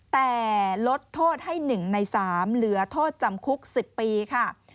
แต่ลดโทษให้๑ใน๓เหลือโทษจำคุก๑๐ปีค่ะ